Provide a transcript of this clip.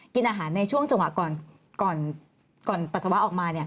กินอาหารในช่วงจังหวะก่อนปัสสาวะออกมา